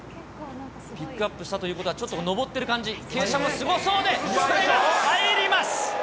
ピックアップしたということはちょっと上ってる感じ、傾斜もすごそうで、これが入ります。